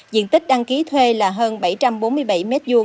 diện tích đăng ký thuê là hơn bảy trăm bốn mươi bảy m hai